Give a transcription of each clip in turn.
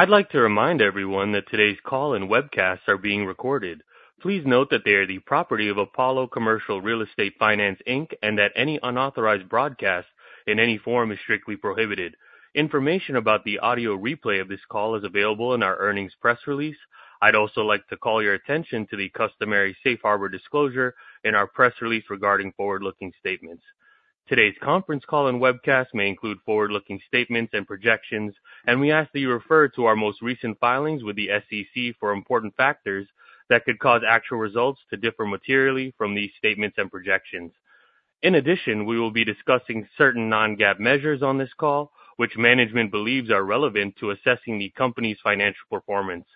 I'd like to remind everyone that today's call and webcasts are being recorded. Please note that they are the property of Apollo Commercial Real Estate Finance, Inc., and that any unauthorized broadcast in any form is strictly prohibited. Information about the audio replay of this call is available in our earnings press release. I'd also like to call your attention to the customary safe harbor disclosure in our press release regarding forward-looking statements. Today's conference call and webcast may include forward-looking statements and projections, and we ask that you refer to our most recent filings with the SEC for important factors that could cause actual results to differ materially from these statements and projections. In addition, we will be discussing certain non-GAAP measures on this call which management believes are relevant to assessing the company's financial performance.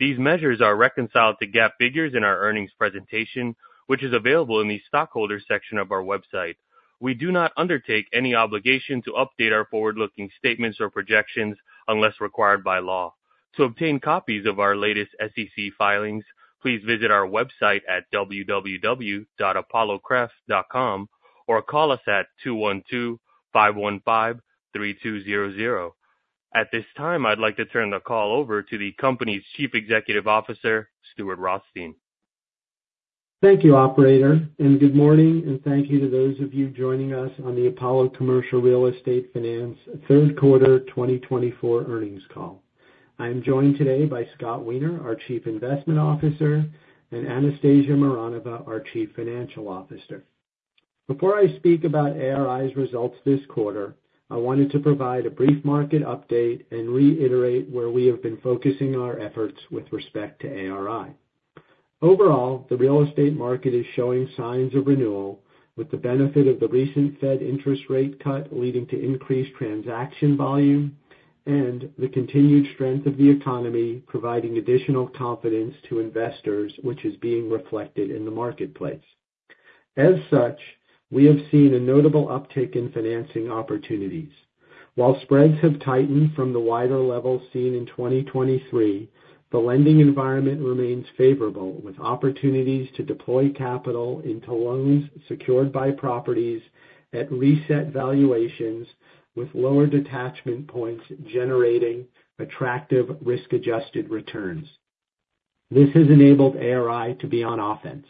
These measures are reconciled to GAAP figures in our earnings presentation, which is available in the Stockholders section of our website. We do not undertake any obligation to update our forward-looking statements or projections unless required by law. To obtain copies of our latest SEC filings, please visit our website at www.apollocref.com or call us at 212-515-3200. At this time I'd like to turn the call over to the Company's Chief Executive Officer, Stuart Rothstein. Thank you, operator, and good morning, and thank you to those of you joining us on the Apollo Commercial Real Estate Finance third quarter 2024 earnings call. I am joined today by Scott Wiener, our Chief Investment Officer, and Anastasia Mironova, our Chief Financial Officer. Before I speak about ARI's results this quarter, I wanted to provide a brief market update and reiterate where we have been focusing our efforts with respect to ARI. Overall, the real estate market is showing signs of renewal with the benefit of the recent Fed interest rate cut leading to increased transaction volume and the continued strength of the economy providing additional confidence to investors which is being reflected in the marketplace. As such, we have seen a notable uptick in financing opportunities. While spreads have tightened from the wider level seen in 2023, the lending environment remains favorable with opportunities to deploy capital into loans secured by properties at reset valuations with lower detachment points, generating attractive risk adjusted returns. This has enabled ARI to be on offense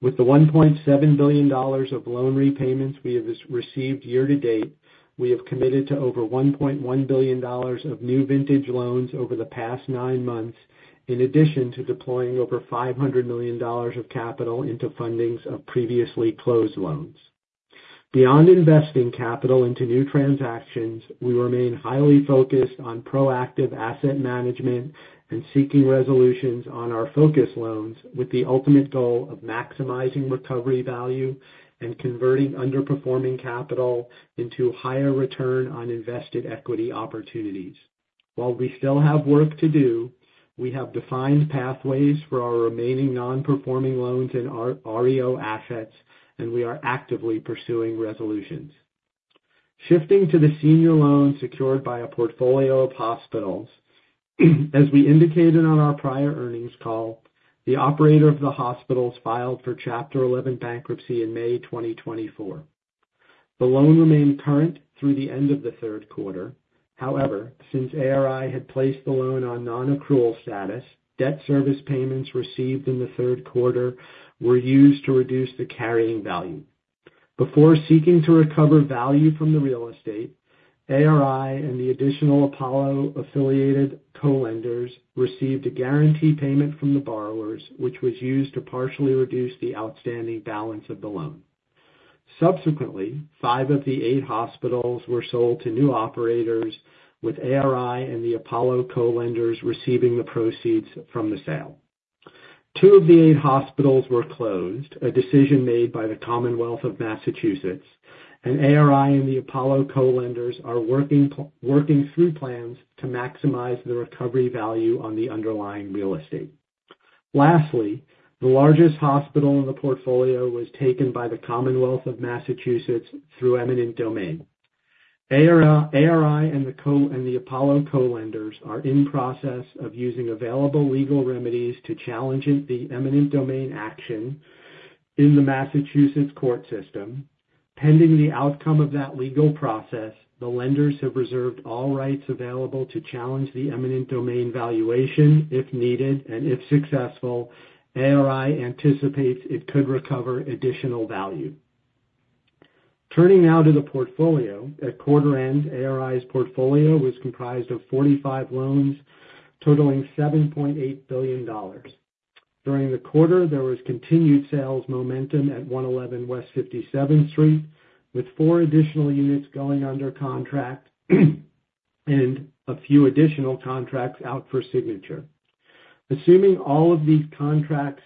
with the $1.7 billion of loan repayments we have received year to date. We have committed to over $1.1 billion of new vintage loans over the past nine months in addition to deploying over $500 million of capital into fundings of previously closed loans. Beyond investing capital into new transactions, we remain highly focused on proactive asset management and seeking resolutions on our focus loans with the ultimate goal of maximizing recovery value and converting underperforming capital into higher return on invested equity opportunities. While we still have work to do, we have defined pathways for our remaining non-performing loans and REO assets and we are actively pursuing resolutions. Shifting to the Senior Loan Secured by a Portfolio of Hospitals, as we indicated on our prior earnings call, the operator of the hospitals filed for Chapter 11 bankruptcy in May 2024. The loan remained current through the end of the third quarter. However, since ARI had placed the loan on non-accrual status, debt service payments received in the third quarter were used to reduce the carrying value. Before seeking to recover value from the real estate, ARI and the additional Apollo-affiliated co-lenders received a guarantee payment from the borrowers which was used to partially reduce the outstanding balance of the loan. Subsequently, five of the eight hospitals were sold to new operators with ARI and the Apollo co-lenders receiving the proceeds from the sale. Two of the eight hospitals were closed, a decision made by the Commonwealth of Massachusetts, and ARI and the Apollo co-lenders are working through plans to maximize the recovery value on the underlying real estate. Lastly, the largest hospital in the portfolio was taken by the Commonwealth of Massachusetts through eminent domain. ARI and the Apollo co-lenders are in process of using available legal remedies to challenge the eminent domain action in the Massachusetts court system. Pending the outcome of that legal process, the lenders have reserved all rights available to challenge the eminent domain valuation if needed and if successful, ARI anticipates it could recover additional value. Turning now to the portfolio at quarter end, ARI's portfolio was comprised of 45 loans totaling $7.8 billion. During the quarter there was continued sales momentum at 111 W. 57th St., with four additional units going under contract and a few additional contracts out for signature. Assuming all of these contracts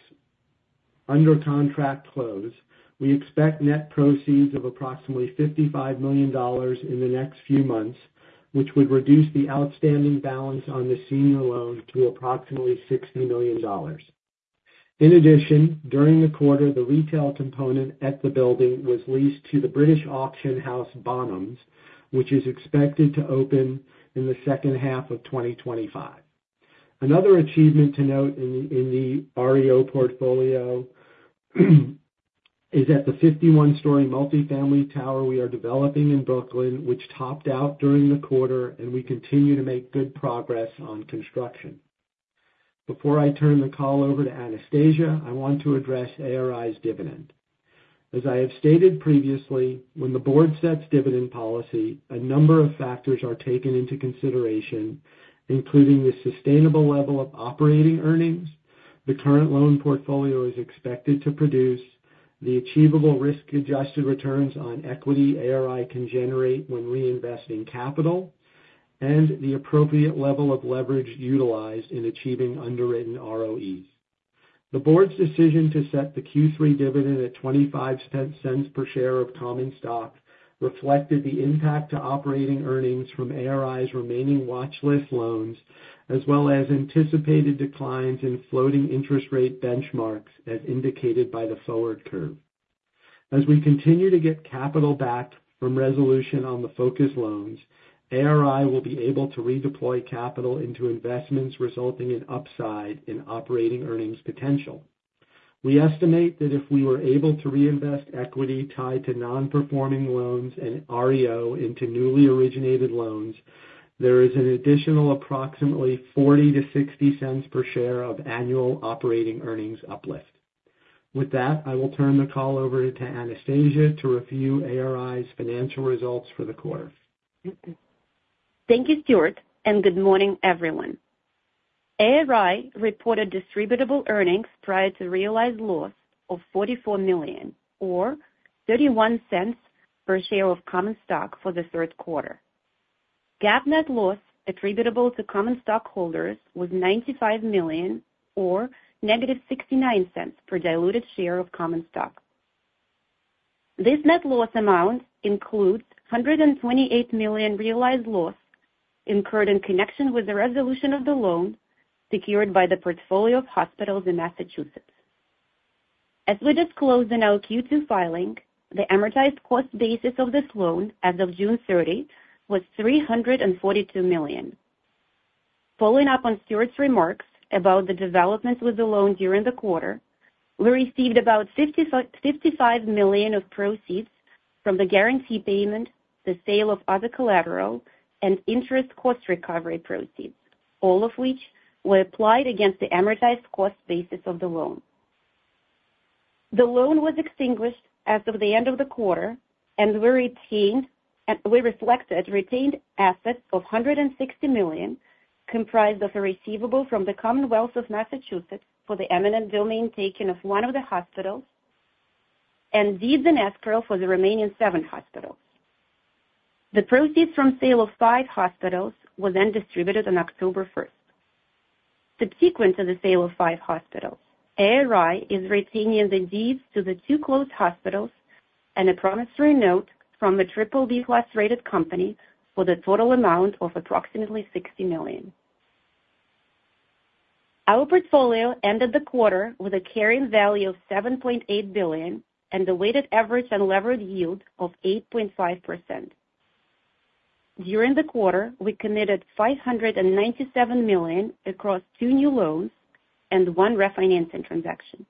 under contract close, we expect net proceeds of approximately $55 million in the next few months, which would reduce the outstanding balance on the senior loan to approximately $60 million. In addition, during the quarter the retail component at the building was leased to the British auction house Bonhams, which is expected to open in the second half of 2025. Another achievement to note in the REO portfolio is at the 51-story multifamily tower we are developing in Brooklyn, which topped out during the quarter and we continue to make good progress on construction. Before I turn the call over to Anastasia, I want to address ARI's dividend. As I have stated previously, when the board sets dividend policy, a number of factors are taken into consideration including the sustainable level of operating earnings the current loan portfolio is expected to produce, the achievable risk adjusted returns on equity ARI can generate when reinvesting capital and the appropriate level of leverage utilized in achieving underwritten ROEs. The board's decision to set the Q3 dividend at $0.25 per share of common stock reflected the impact to operating earnings from ARI's remaining watch list loans as well as anticipated declines in floating interest rate benchmarks as indicated by the forward curve. As we continue to get capital back from resolution on the focus loans, ARI will be able to redeploy capital into investments resulting in upside in operating earnings potential. We estimate that if we were able to reinvest equity tied to non-performing loans and REO into newly originated loans, there is an additional approximately $0.40-$0.60 per share of annual operating earnings uplifting. With that, I will turn the call over to Anastasia to review ARI's financial results for the quarter. Thank you Stuart and good morning everyone. ARI reported distributable earnings prior to realized loss of $44 million or $0.31 per share of common stock. For the third quarter, GAAP net loss attributable to common stockholders was $95 million or negative $0.69 per diluted share of common stock. This net loss amount includes $128 million realized loss incurred in connection with the resolution of the loan secured by the portfolio of hospitals in Massachusetts. As we disclosed in our Q2 filing, the amortized cost basis of this loan as of June 30th was $342 million. Following up on Stuart's remarks about the developments with the loan during the quarter, we received about $55 million of proceeds from the guarantee payment, the sale of other collateral and interest cost recovery proceeds, all of which were applied against the amortized cost basis of the loan. The loan was extinguished as of the end of the quarter, and we retained and reflected retained assets of $160 million comprised of a receivable from the Commonwealth of Massachusetts for the eminent domain taking of one of the hospitals and deeds and escrow for the remaining seven hospitals. The proceeds from sale of five hospitals were then distributed on October 1. Subsequent to the sale of five hospitals, ARI is retaining the deeds to the two closed hospitals and a promissory note from the BBB rated company for the total amount of approximately $60 million. Our portfolio ended the quarter with a carrying value of $7.8 billion and a weighted average unlevered yield of 8.5%. During the quarter, we committed $597 million across two new loans and one refinancing transaction.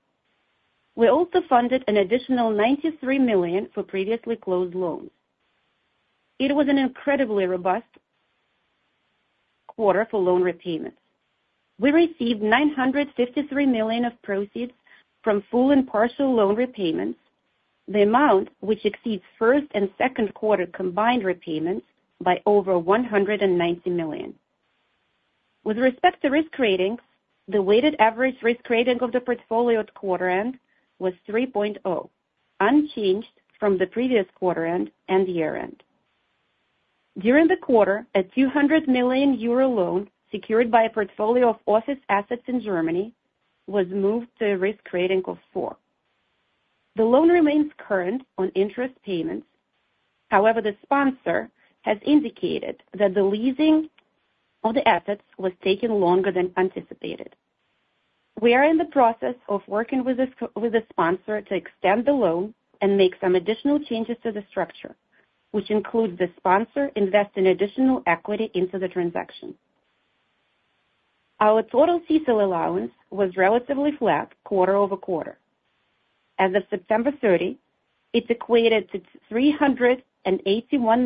We also funded an additional $93 million for previously closed loans. It was an incredibly robust quarter for loan repayments. We received $953 million of proceeds from full and partial loan repayments, the amount which exceeds first and second quarter combined repayments by over $190 million. We, with respect to risk ratings, the weighted average risk rating of the portfolio at quarter end was 3.0, unchanged from the previous quarter end and year end. During the quarter, a 200 million euro loan secured by a portfolio of office assets in Germany was moved to a risk rating of 4. The loan remains current on interest payments. However, the sponsor has indicated that the leasing of the assets was taking longer than anticipated. We are in the process of working with a sponsor to extend the loan and make some additional changes to the structure, which includes the sponsor investing additional equity into the transaction. Our total CECL allowance was relatively flat quarter over quarter as of September 30th. It equated to $381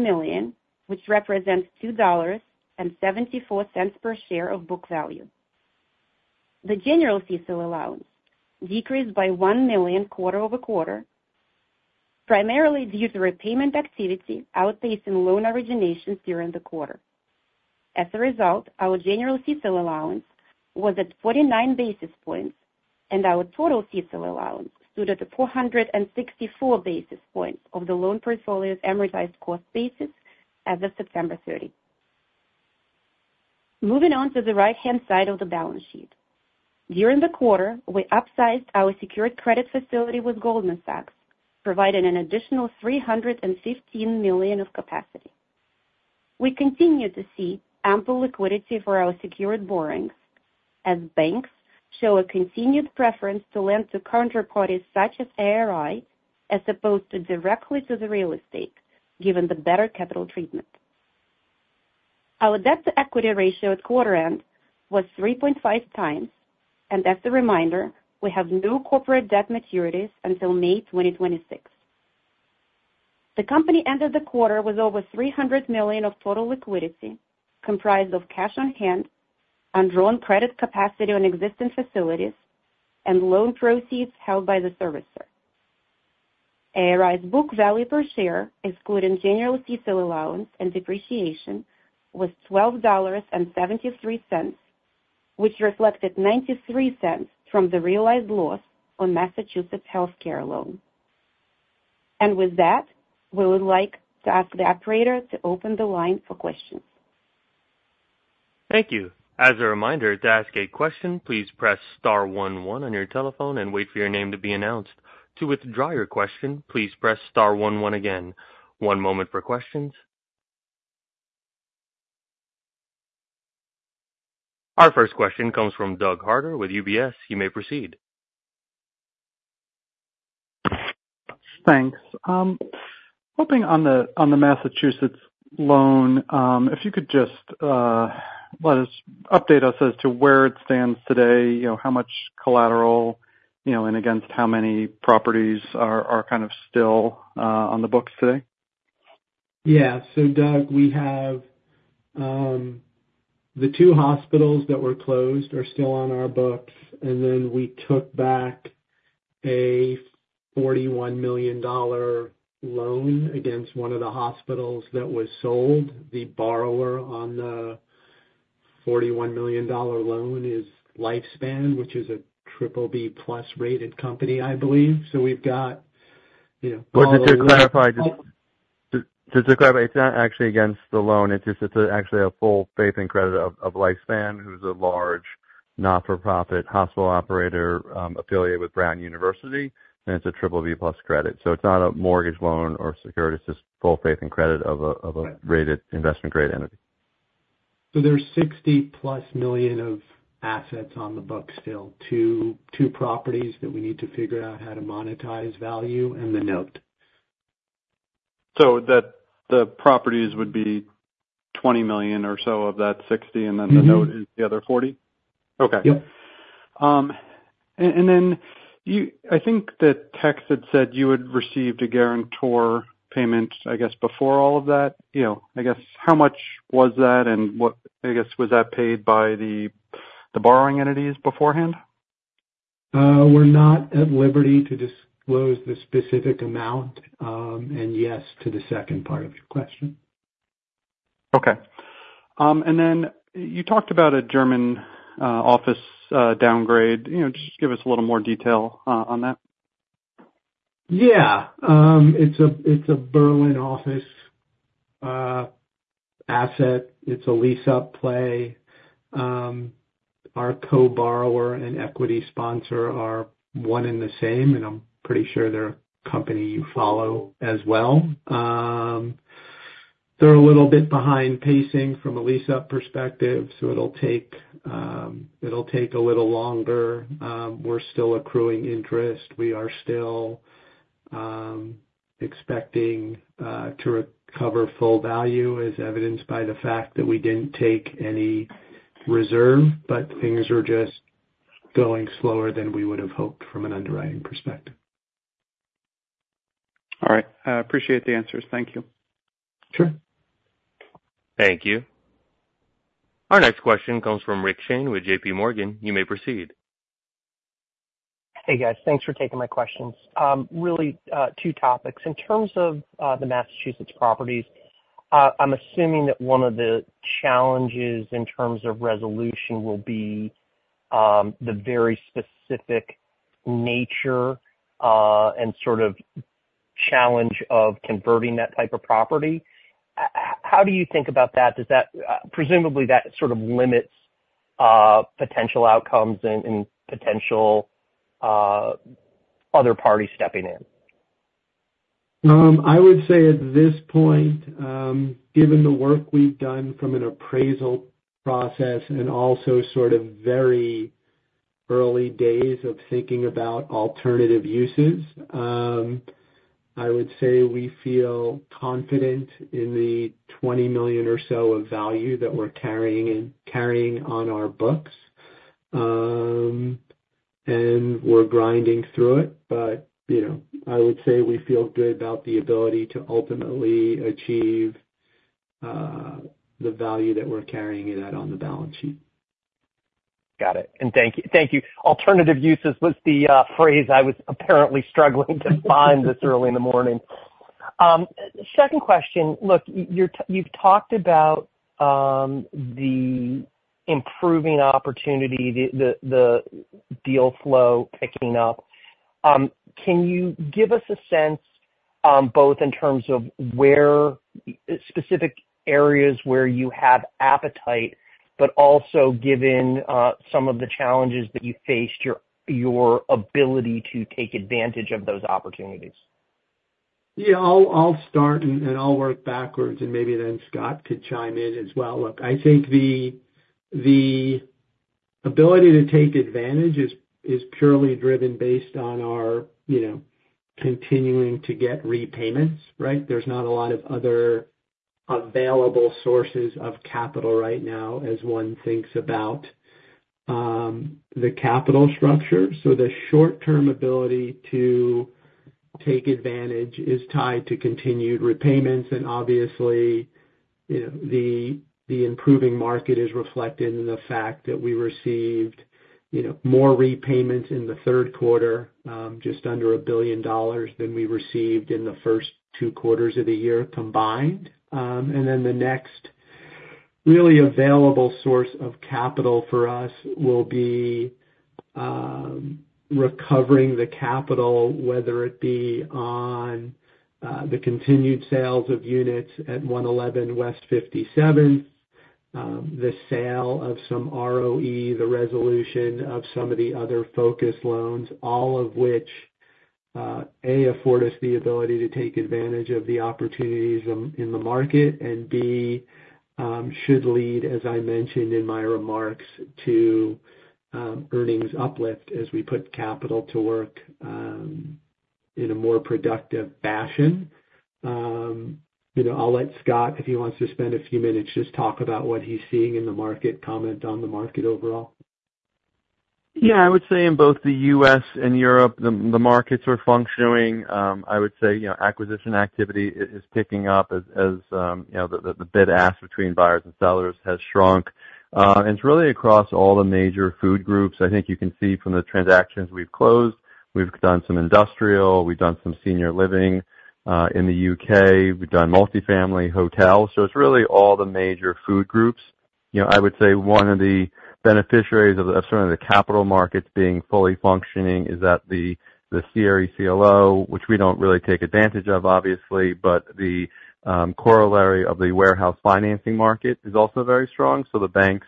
million, which represents $2.74 per share of book value. The general CECL allowance decreased by $1 million quarter over quarter, primarily due to repayment activity outpacing loan originations during the quarter. As a result, our general CECL allowance was at 49 basis points and our total CECL allowance stood at 464 basis points of the loan portfolio's amortized cost basis as of September 30. Moving on to the right-hand side of the balance sheet during the quarter we upsized our secured credit facility with Goldman Sachs providing an additional $315 million of capacity. We continue to see ample liquidity for our secured borrowings as banks show a continued preference to lend to current parties such as ARI as opposed to directly to the real estate given the better capital treatment. Our debt to equity ratio at quarter end was 3.5 times and as a reminder, we have no corporate debt maturities until May 2026. The company ended the quarter with over $300 million of total liquidity comprised of cash on hand, undrawn credit capacity on existing facilities, and loan proceeds held by the servicer. ARI's book value per share, excluding general CECL allowance and depreciation was $12.73 which reflected $0.93 from the realized loss on Massachusetts Health Care Loan and with that we would like to ask the operator to open the line for questions. Thank you. As a reminder to ask a question, please press star 11 on your telephone and wait for your name to be announced to withdraw your question. Please press star 11 again. One moment for questions. Our first question comes from Doug Harter with UBS. You may proceed. Thanks. Hopping on the Massachusetts loan. If you could just update us as to where it stands today. You know, how much collateral you know and against how many properties are kind of still on the books today. Yeah. So, Doug, we have the two hospitals that were closed are still on our books. And then we took back a $41 million loan against one of the hospitals that was sold. The borrower on the $41 million loan is Lifespan, which is a triple B plus rated company, I believe. So we've got. To describe. It's not actually against the loan, it's just actually a full faith and credit of Lifespan who's a large not-for-profit hospital operator affiliated with Brown University, and it's a triple-B-plus credit, so it's not a mortgage loan or secured. It's just full faith and credit of a rated investment-grade entity. There's $60+ million of assets on the book. Still two properties that we need to figure out how to monetize value and the note. So that the properties would be $20 million or so of that $60 and then the note is the other $40. Okay. And then, I think that text had said you had received a guarantor payment, I guess, before all of that. You know, I guess. How much was that, and what, I guess, was that paid by the borrowing entities beforehand? We're not at liberty to disclose the specific amount and yes to the second part of your question. Okay. And then you talked about a German office downgrade. Just give us a little more detail on that. Yeah, it's a Berlin office asset. It's a lease-up play. Our co-borrower and equity sponsor are one and the same and I'm pretty sure they're a company you follow as well. They're a little bit behind pacing from a lease-up perspective. So it'll take, it'll take a little longer. We're still accruing interest. We are still expecting to recover full value as evidenced by the fact that we didn't take any reserve but things are just going slower than we would have hoped from an underwriting perspective. All right. Appreciate the answers. Thank you. Sure. Thank you. Our next question comes from Rick Shane with J.P. Morgan. You may proceed. Hey guys, thanks for taking my questions, really. Two topics in terms of the Massachusetts properties. I'm assuming that one of the challenges in terms of resolution will be the very specific nature and sort of challenge of converting that type of property. How do you think about that? Does that. Presumably that sort of limits potential outcomes and potential other parties stepping in. I would say at this point, given the work we've done from an appraisal process and also sort of very early days of thinking about alternative uses, I would say we feel confident in the $20 million or so of value that we're carrying on our books and we're grinding through it. But I would say we feel good about the ability to ultimately achieve. The Value that we're carrying it at on the balance sheet. Got it. And thank you. Alternative uses was the phrase I was apparently struggling to find this early in the morning. Second question. Look, you've talked about the improving opportunity, the deal flow picking up. Can you give us a sense both in terms of where specific areas where you have appetite, but also given some of the challenges that you faced, your ability to take advantage of those opportunities? Yeah, I'll start and I'll work backwards and maybe then Scott could chime in as well. Look, I think the ability to take advantage is purely driven based on our continuing to get repayments. Right. There's not a lot of other available sources of capital right now as one thinks about the capital structure. So the short term ability to take advantage is tied to continued repayments. And obviously the improving market is reflected in the fact that we received more repayments in the third quarter, just under $1 billion than we received in the first two quarters of the year combined. Then the next really available source of capital for us will be recovering the capital, whether it be on the continued sales of units at 111 West 57th Street, the sale of some REO, the resolution of some of the other focus loans, all of which A afford us the ability to take advantage of the opportunities in the market and B, should lead, as I mentioned in my remarks, to earnings uplift as we put capital to work in a more productive fashion. You know, I'll let Scott, if he wants to spend a few minutes, just talk about what he's seeing in the market. Comment on the market overall. Yeah, I would say in both the U.S. and Europe the markets are functioning. I would say, you know, acquisition activity is picking up. As you know, the bid ask between buyers and sellers has shrunk and it's really across all the major food groups. I think you can see from the transactions we've closed, we've done some industrial, we've done some senior living in the U.K., we've done multifamily hotels. So it's really all the major food groups. I would say one of the beneficiaries of the capital markets being fully functioning is that the CRE CLO which we don't really take advantage of, obviously, but the corollary of the warehouse financing market is also very strong. So the banks,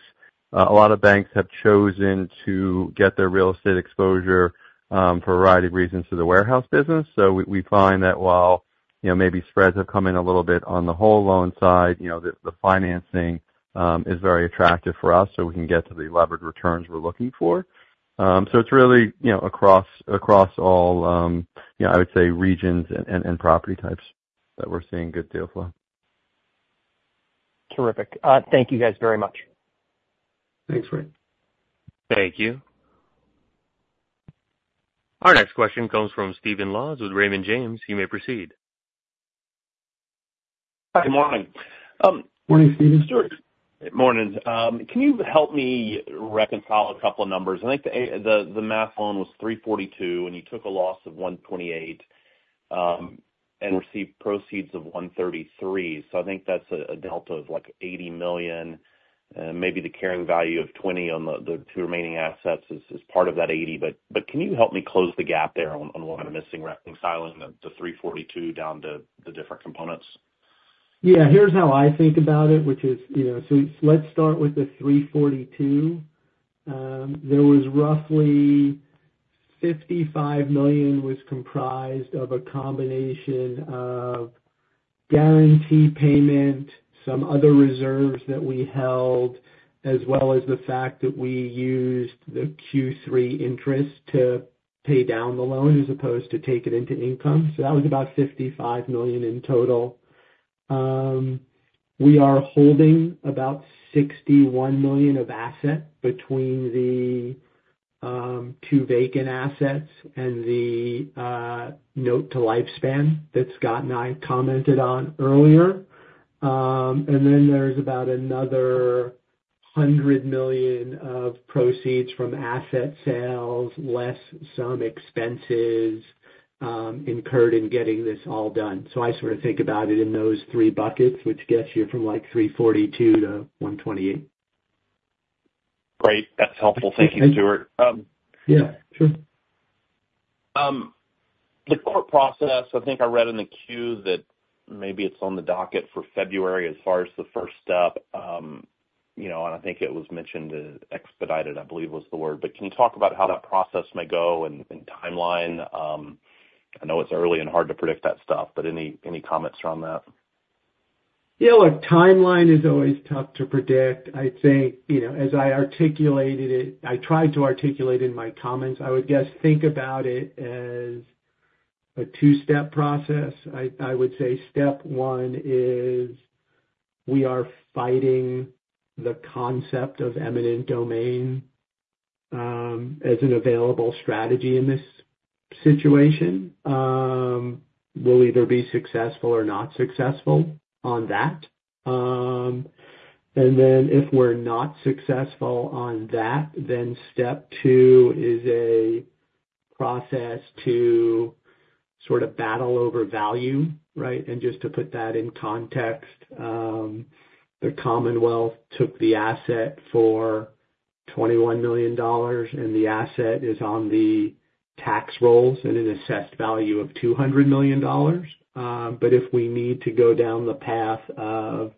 a lot of banks have chosen to get their real estate exposure for a variety of reasons to the warehouse business. So we find that while maybe spreads have come in a little bit on the whole loan side, the financing is very attractive for us so we can get to the levered returns we're looking for. So it's really across all, I would say regions and property types that we're seeing good deal flow. Terrific. Thank you guys very much. Thanks Ray. Thank you. Our next question comes from Steven Laws with Raymond James. You may proceed. Hi, good morning. Morning. Stuart Rothstein. Good morning. Can you help me reconcile a couple of numbers? I think the Mass loan was 342 and you took a loss of $128,000 and received proceeds of 133. So I think that's a delta of like $80 million. Maybe the carrying value of 20 on the two remaining assets is part of that 80. But can you help me close the gap there on what's missing in reconciling, slicing the 342 down to the different components? Yeah, here's how I think about it, which is, you know, so let's start with the $342. There was roughly $55 million was comprised of a combination of guarantee payment, some other reserves that we held, as well as the fact that we used the Q3 interest to pay down the loan as opposed to take it into income. So that was about $55 million in total. We are holding about $61 million of asset between the two vacant assets and the note to Lifespan that Scott and I commented on earlier and then there's about another $100 million of proceeds from asset sales, less some expenses incurred in getting this all done. So I sort of think about it in those three buckets which gets you from like $342 to $128. Great, that's helpful. Thank you, Stuart. Yeah, sure. The court process, I think I read in the queue that maybe it's on the docket for February as far as the first step, you know, and I think it was mentioned expedited I believe was the word. But can you talk about how that process may go and timeline? I know it's early and hard to predict that stuff, but any comments around that? Yeah, look, timeline is always tough to predict. I think, you know, as I articulated it I tried to articulate in my comments, I would guess think about it as a two-step process. I would say step one is we are fighting the concept of eminent domain as an available strategy. In this situation, we'll either be successful or not successful on that. And then if we're not successful on that, then step two is a process to sort of battle over value. Right. And just to put that in context, the commonwealth took the asset for $21 million and the asset is on the tax rolls and an assessed value of $200 million. But if we need to go down the path of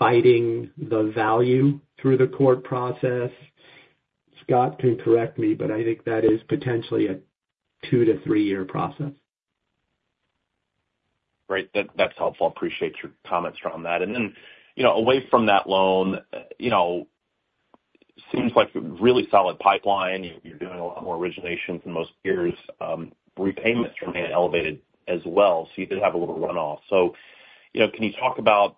fighting the value through the court process, Scott can correct me, but I think that is potentially a two- to three-year process. Great, that's helpful. Appreciate your comments around that, and then away from that loan seems. Like really solid pipeline. You're doing a lot more originations than most peers. Repayments remain elevated as well. So you did have a little runoff. So can you talk about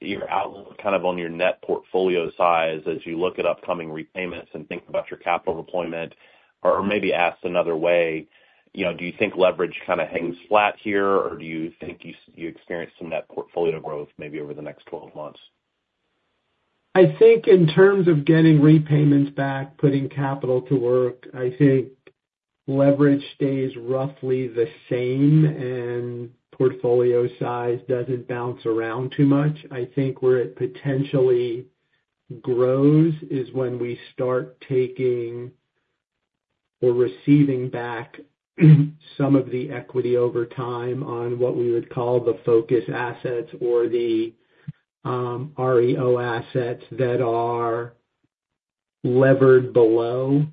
your outlook kind of on your net portfolio size as you look at upcoming repayments and think about your capital deployment? Or maybe asked another way, do you think leverage kind of hangs flat here or do you think you experience some net portfolio growth maybe over the next 12 months? I think in terms of getting repayments back, putting capital to work, I think leverage stays roughly the same and portfolio size doesn't bounce around too much. I think where it potentially grows is when we start taking or receiving back some of the equity over time on what we would call the focus assets or the REO assets that are levered below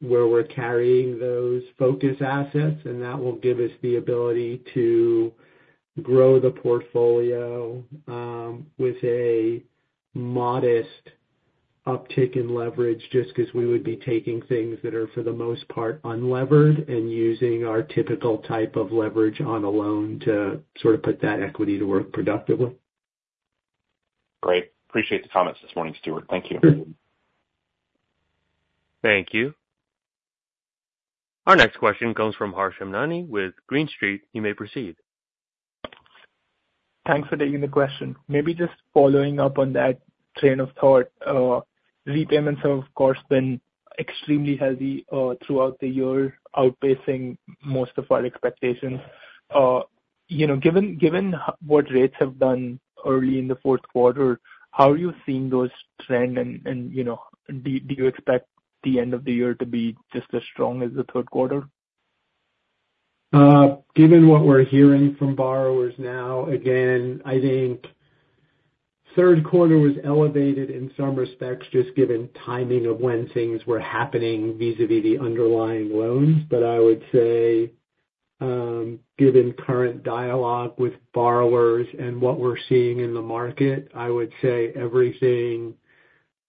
where we're carrying those focus assets. And that will give us the ability to grow the portfolio with a modest uptick in leverage. Just because we would be taking things that are for the most part unlevered and using our typical type of leverage on a loan to sort of put that equity to work productively. Great. Appreciate the comments this morning, Stuart. Thank you. Thank you. Our next question comes from Harsh Hemnani with Green Street. You may proceed. Thanks for taking the question. Maybe just following up on that train of thought. Repayments have of course been extremely healthy throughout the year, outpacing most of our expectations. You know, given what REITs have done early in the fourth quarter, how are you seeing those trend? And you know, do you expect the end of the year to be just as strong as the third quarter? Given. What we're hearing from borrowers now. Again, I think third quarter was elevated in some respects just given timing of when things were happening vis a vis the underlying loans. But I would say given current dialogue with borrowers and what we're seeing in the market, I would say everything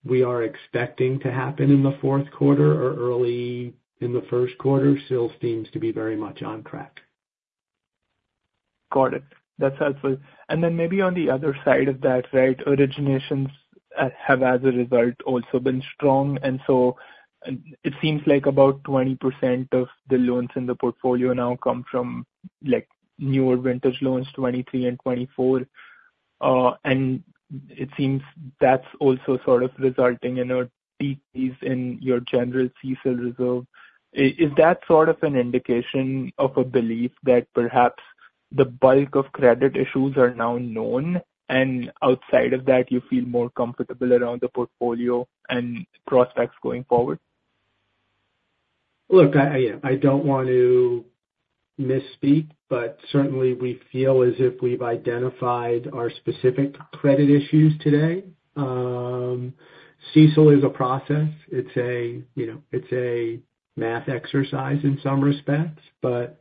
we are expecting to happen in the fourth quarter or early in the first quarter still seems to be very much on track. Got it. That's helpful. And then maybe on the other side of that, right. Originations have as a result also been strong. And so it seems like about 20% of the loans in the portfolio now come from like newer vintage loans 2023 and 2024. And it seems that's also sort of resulting in a decrease in your general CECL reserve. Is that sort of an indication of a belief that perhaps the bulk of credit issues are now known and outside of that, you feel more comfortable around the portfolio and prospects going forward? Look, I don't want to misspeak, but certainly we feel as if we've identified our specific credit issues today. CECL is a process. It's a, you know, it's a math exercise in some respects, but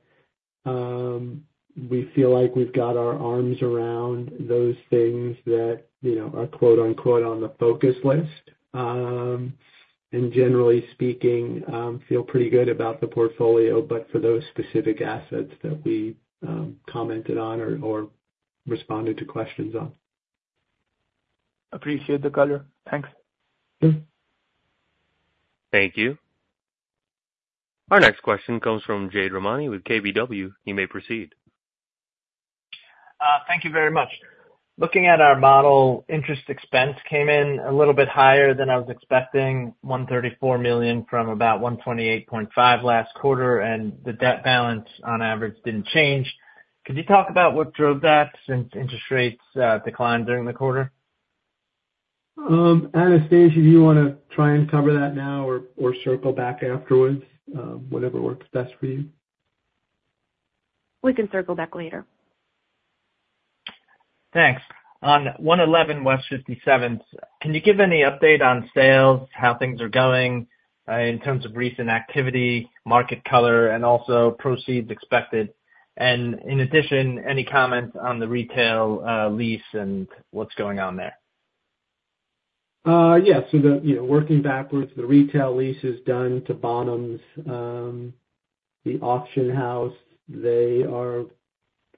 we feel like we've got our arms around those things that, you know, are quote unquote on the focus list and generally speaking feel pretty good about the portfolio. But for those specific assets that we commented on or responded to questions on. Appreciate the color. Thanks. Thank you. Our next question comes from Jade Rahmani with KBW. You may proceed. Thank you very much. Looking at our model, interest expense came in a little bit higher than I was expecting, $134 million from about $128.5 million last quarter and the debt balance on average didn't change. Could you talk about what drove that since interest rates declined during the quarter? Anastasia, do you want to try and cover that now or circle back afterwards? Whatever works best for you. We can circle back later. Thanks. On 111 West 57th, can you give any update on sales, how things are going in terms of recent activity, market color and also proceeds expected? And in addition, any comments on the retail lease and what's going on there? Yes, working backwards, the retail lease is done to Bonhams, the auction house. They are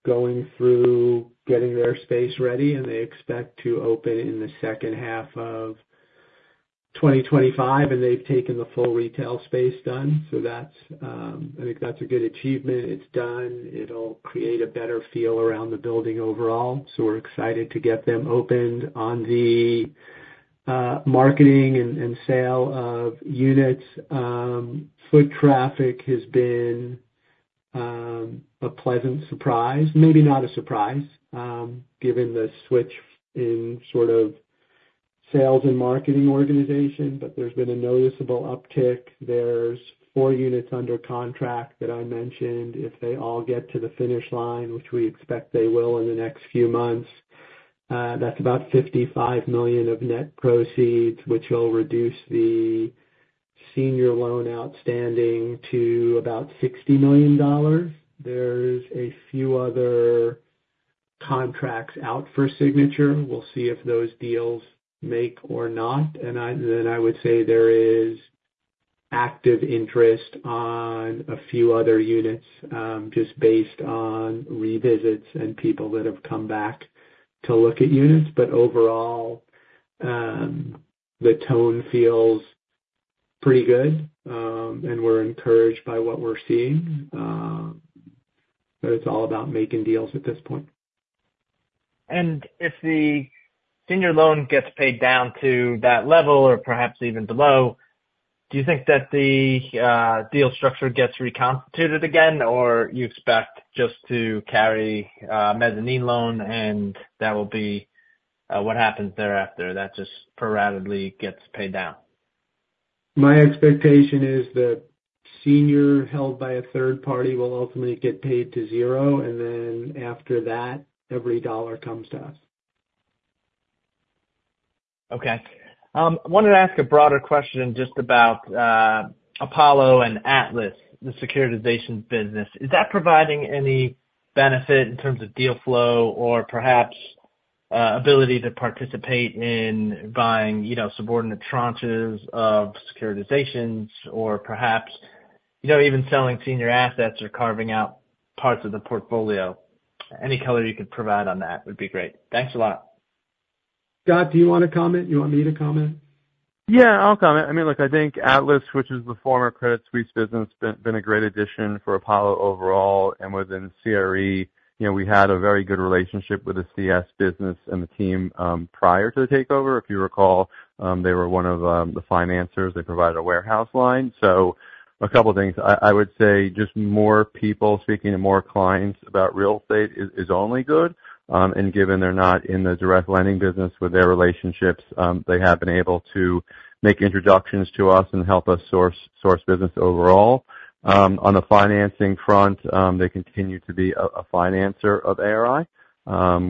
going through getting their space ready and they expect to open in the second half of 2025 and they've taken the full retail space done. So I think that's a good achievement. It's done. It'll create a better feel the building overall. So we're excited to get them opened. On the marketing and sale of units, foot traffic has been a pleasant surprise. Maybe not a surprise given the switch in sort of sales and marketing organization, but there's been a noticeable uptick. There are four units under contract that I mentioned, if they all get to the finish line, which we expect they will in the next few months, that's about $55 million of net proceeds, which will reduce the senior loan outstanding to about $60 million. There's a few other contracts out for signature. We'll see if those deals make or not, and then I would say there is active interest on a few other units, just based on revisits and people that have come to look at units, but overall the tone feels pretty good and we're encouraged by what we're seeing, but it's all about making deals at this point. If the senior loan gets paid down to that level or perhaps even below, do you think that the deal structure gets reconstituted again or you expect just to carry mezzanine loan and that will be what happens thereafter that just sporadically gets paid down? My expectation is that senior held by a third party will ultimately get paid to zero and then after that, every dollar comes to us. Okay, I wanted to ask a broader question just about Apollo and Atlas, the securitization business. Is that providing any benefit in terms of deal flow or perhaps ability to participate in buying, you know, subordinate tranches of securitizations or perhaps, you know, even selling senior assets or carving out parts of the portfolio? Any color you could provide on that would be great. Thanks a lot, Scott. Do you want to comment? You want me to comment? Yeah, I'll comment. I mean, look, I think Atlas, which is the former Credit Suisse business, been a great addition for Apollo overall and within CRE. You know, we had a very good relationship with the CS business and the team prior to the takeover. If you recall, they were one of the financers. They provided a warehouse line. So a couple things I would say just more people speaking to more clients about real estate is only good. And given they're not in the direct lending business, with their relationships, they have been able to make introductions to us and help us source business. Overall, on the financing front, they continue to be a financer of ARI,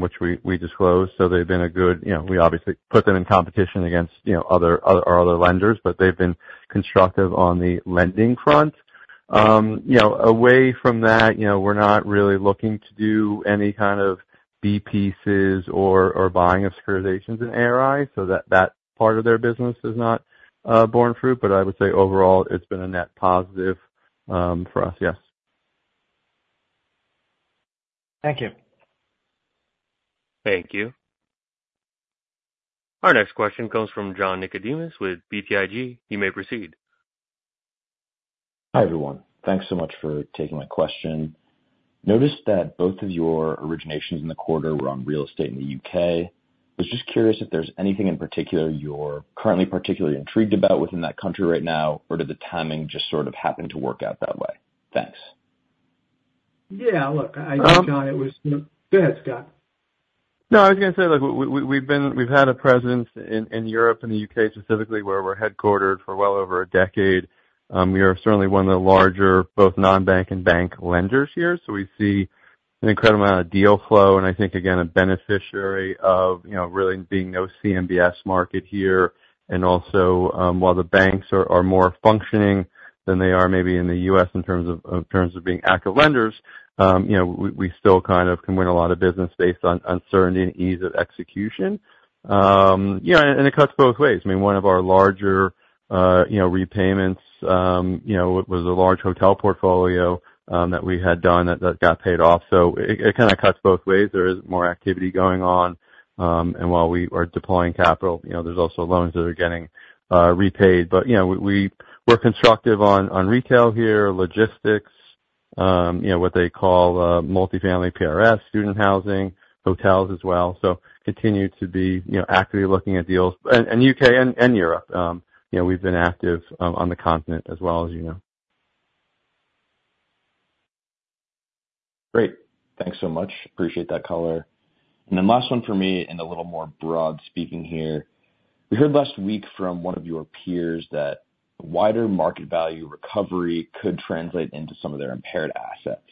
which we disclosed. So they've been a good, you know, we obviously put them in competition against, you know, other lenders, but they've been constructive on the lending front. You know, away from that, you know, we're not really looking to do any kind of B pieces or buying securitizations in ARI so that that part of their business is not borne fruit. But I would say overall, it's been a net positive for us. Yes. Thank you. Thank you. Our next question comes from John Nicodemus with BTIG. You may proceed. Hi everyone. Thanks so much for taking my question. Notice that both of your originations in the quarter were on real estate in the U.K. Was just curious if there's anything in particular you're currently particularly intrigued about within that country right now or did the timing just sort of happen to work out that way? Thanks. Yeah, look, I think John, it was. Go ahead, Scott. No, I was going to say, look, we've had a presence in Europe and the U.K. specifically where we're headquartered for well over a decade. We are certainly one of the larger, both non-bank and bank lenders here, so we see an incredible amount of deal flow and I think we're again a beneficiary of there really being no CMBS market here, and also while the banks are more functioning than they are maybe in the U.S. in terms of being active lenders, we still kind of can win a lot of business based on uncertainty and ease of execution, and it cuts both ways. One of our larger repayments was a large hotel portfolio that we had done that got paid off, so it kind of cuts both ways. There is more activity going on and while we are deploying capital, you know, there's also loans that are getting repaid. But you know, we were constructive on retail here, logistics, you know, what they call multifamily pref, student housing, hotels as well. So continue to be, you know, actively looking at deals and UK and Europe, you know, we've been active on the continent as well as, you know. Great, thanks so much. Appreciate that color. And then last one for me, and a little more broadly speaking here, we heard last week from one of your peers that wider market value recovery could translate into some of their impaired assets.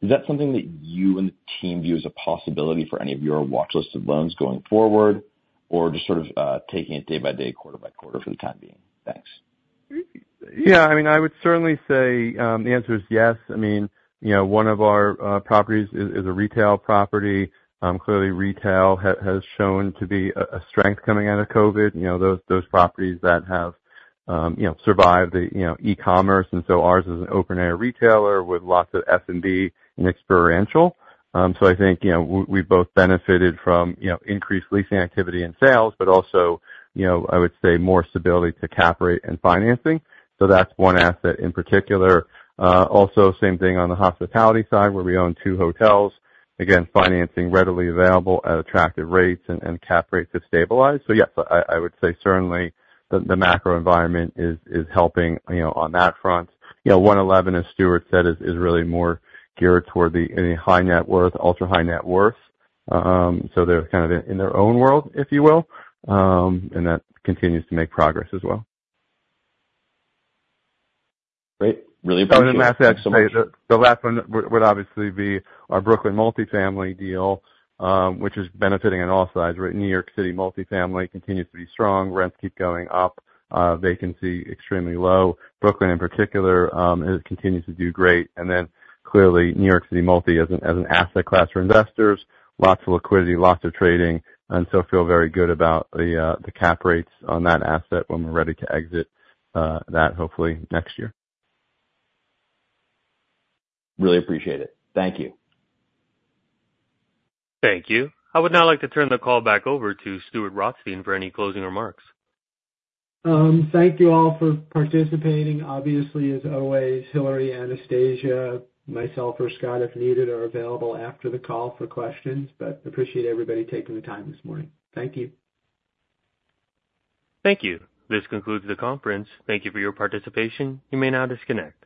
Is that something that you and the? you view as a possibility for any of your watch-listed loans going forward or just sort of taking a day-by-day course for the time being? Thanks. Yeah, I mean I would certainly say the answer is yes. I mean, you know, one of our properties is a retail property. Clearly retail has shown to be a strength coming out of COVID you know those, those properties that have, you know, survived the, you know, e-commerce. And so ours is an open air retailer with lots of F&B and experiential. So I think you know, we both benefited from you know, increased leasing activity and sales but also you know, I would say more stability to cap rate and financing. So that's one asset in particular also same thing on the hospitality side where we own two hotels. Again financing readily available at attractive rates and cap rates have stabilized. So yes, I would say certainly the macro environment is helping on that front. 111, as Stuart said, is really more geared toward the high net worth, ultra high net worth. So they're kind of in their own world, if you will. And that continues to make progress as well. Great. Really appreciate it. The last one would obviously be our Brooklyn multifamily deal, which is benefiting on all sides. New York City multifamily continues to be strong. Rents keep going up. Vacancy extremely low. Brooklyn in particular continues to do great. And then clearly New York City multi as an asset class for investors, lots of liquidity, lots of trading, and so feel very good about the cap rates on that asset when we're ready to exit that, hopefully next year. Really appreciate it. Thank you. Thank you. I would now like to turn the call back over to Stuart Rothstein for any closing remarks. Thank you all for participating. Obviously, as always, Hilary Anastasia, myself, or Scott, if needed, are available after the call for questions. but appreciate everybody taking the time this morning. Thank you. Thank you. This concludes the conference. Thank you for your participation. You may now disconnect.